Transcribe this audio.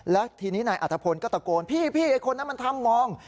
แล้วทีนี้นายอัธพลก็ตะโกนพี่ไอ้คนนั้นมันทำมอง